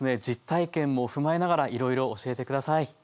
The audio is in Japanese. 実体験も踏まえながらいろいろ教えて下さい。